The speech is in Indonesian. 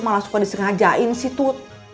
malah suka disengajain sih tut